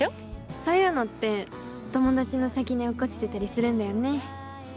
そういうのって友達の先に落っこちてたりするんだよね。